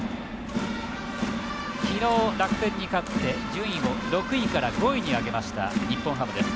昨日、楽天に勝って順位を６位から５位に上げました日本ハムです。